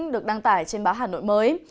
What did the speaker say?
được đăng tải trên báo hà nội mới